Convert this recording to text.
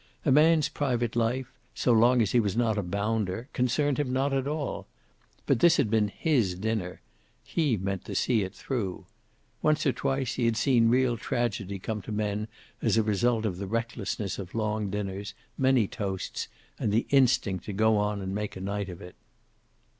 A man's private life, so long as he was not a bounder, concerned him not at all. But this had been his dinner. He meant to see it through. Once or twice he had seen real tragedy come to men as a result of the recklessness of long dinners, many toasts and the instinct to go on and make a night of it.